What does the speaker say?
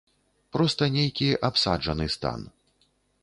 Проста нейкі абсаджаны стан.